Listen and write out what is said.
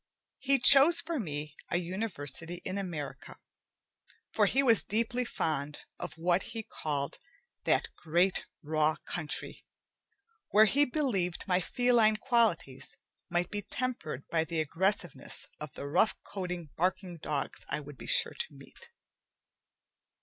He chose for me a university in America, for he was deeply fond of what he called "that great raw country," where he believed my feline qualities might be tempered by the aggressiveness of the rough coated barking dogs I would be sure to meet.